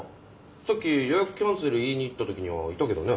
さっき予約キャンセル言いに行ったときにはいたけどね。